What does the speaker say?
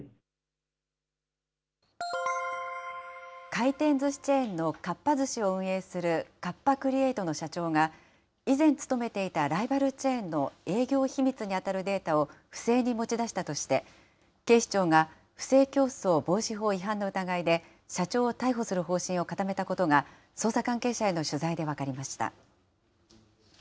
回転ずしチェーンのかっぱ寿司を運営する、カッパ・クリエイトの社長が以前勤めていたライバルチェーンの営業秘密に当たるデータを不正に持ち出したとして、警視庁が不正競争防止法違反の疑いで社長を逮捕する方針を固めたことが、捜査関係者への取材で分かりました。